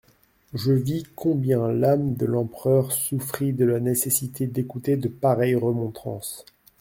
Je vis combien l'âme de l'empereur souffrit de la nécessité d'écouter de pareilles remontrances.